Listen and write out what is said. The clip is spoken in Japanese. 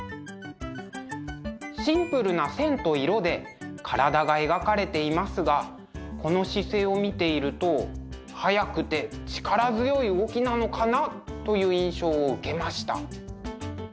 シンプルな線と色で体が描かれていますがこの姿勢を見ていると速くて力強い動きなのかなという印象を受けました。